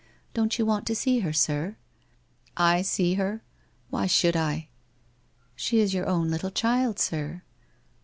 * Don't you want to see her, sir ?' 'I see her! Why should I?' ' She is your own little child, sir.'